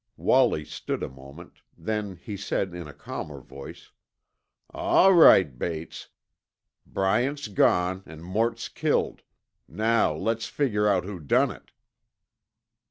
Wallie stood a moment, then he said in a calmer voice, "All right, Bates, Bryant's gone an' Mort's killed. Now let's figure out who done it."